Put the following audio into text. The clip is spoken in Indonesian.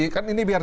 kan ini biar